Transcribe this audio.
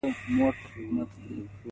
د زرو ښخ شوي لوښي وموندل شول.